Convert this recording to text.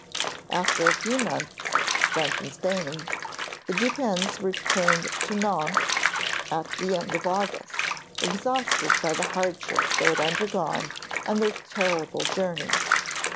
After a few months spent in Spain, the Dupins returned to Nohant at the end of August, exhausted by the hardships they had undergone and their terrible journey.